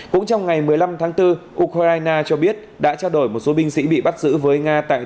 cũng trong ngày một mươi năm tháng bốn ukraine cho biết đã trao đổi một số binh sĩ bị bắt giữ với nga tại